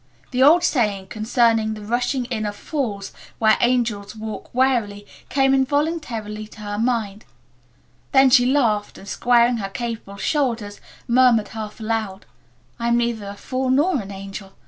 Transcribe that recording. The old saying concerning the rushing in of fools where angels walk warily came involuntarily to her mind. Then she laughed and squaring her capable shoulders murmured half aloud, "I'm neither a fool nor an angel.